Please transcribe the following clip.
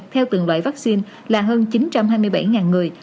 theo từng loại vaccine là hơn chín trăm hai mươi bảy người